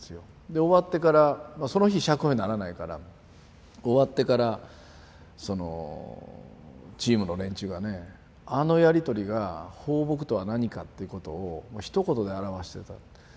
で終わってからその日釈放にならないから終わってからチームの連中がねあのやり取りが抱樸とは何かっていうことをひと言で表してたって。